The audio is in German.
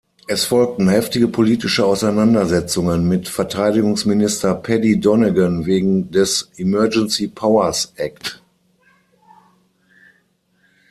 Es folgten heftige politische Auseinandersetzungen mit Verteidigungsminister Paddy Donegan wegen des Emergency Powers Act.